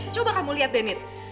coba kamu liat deh nit